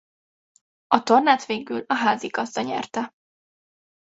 A tornát végül a házigazda nyerte.